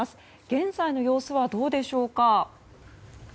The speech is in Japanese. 現在の様子はどうでしょうか？